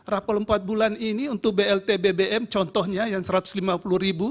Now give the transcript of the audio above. rapel empat bulan ini untuk blt bbm contohnya yang rp satu ratus lima puluh